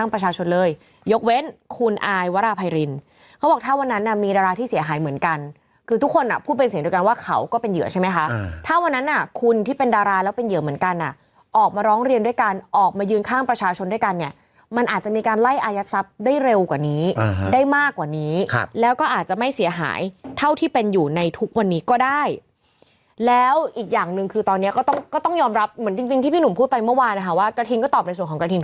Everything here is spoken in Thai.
ประชาชนเลยยกเว้นคุณอายวราภัยรินทร์เขาบอกถ้าวันนั้นน่ะมีดาราที่เสียหายเหมือนกันคือทุกคนอ่ะพูดเป็นเสียงด้วยกันว่าเขาก็เป็นเหยื่อใช่ไหมคะถ้าวันนั้นน่ะคุณที่เป็นดาราแล้วเป็นเหยื่อเหมือนกันอ่ะออกมาร้องเรียนด้วยกันออกมายืนข้างประชาชนด้วยกันเนี่ยมันอาจจะมีการไล่อายัดทรัพย์ได้เร็วกว่านี้